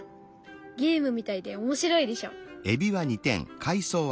ゲームみたいで面白いでしょ。